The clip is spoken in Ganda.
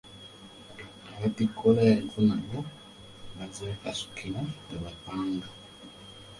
Abatikkula enku nabo bazeekasukira bbwe bapanga